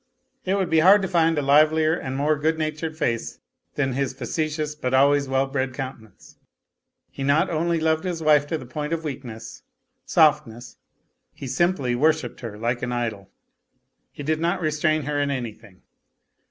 It would be hard to find a livelier and more good natured face than his facetious but always well bred countenance. He not only loved his wife to the point of weakness, softness : he simply worshipped her like an idol. He did not restrain her in anything.